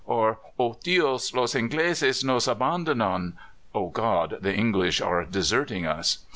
or "O Dios! los Ingleses nos abandonan!" ("O God! the English are deserting us!").